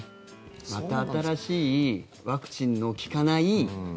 また新しいワクチンの効かない。